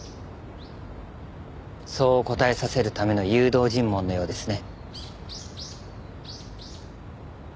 そう答えさせるための誘導尋問のようですね。